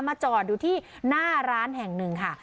จอดอยู่ที่หน้าร้านแห่งหนึ่งค่ะ